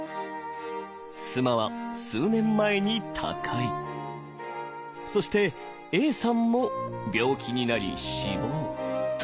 妻は数年前に他界そしてＡさんも病気になり死亡。